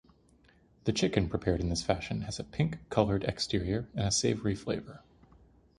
The chicken prepared in this fashion has a pink-colored exterior and a savory flavor.